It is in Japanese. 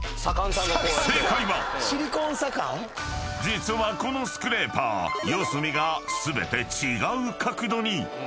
［実はこのスクレーパー四隅が全て違う角度に］